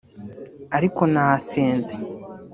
Ariko nasenze